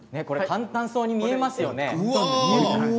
簡単そうに見えますよね。